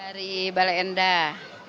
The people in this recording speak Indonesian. dari bale endah